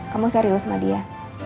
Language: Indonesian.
kamu serius sama dia